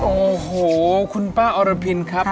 โอ้โหคุณป้าอรพินครับ